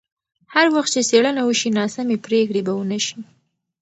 هر وخت چې څېړنه وشي، ناسمې پرېکړې به ونه شي.